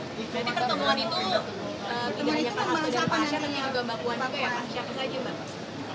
jadi pertemuan itu tidak hanya terhadap bapak jokowi